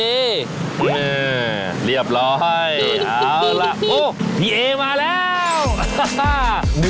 นี่เรียบร้อยเอาล่ะโอ้พี่เอมาแล้ว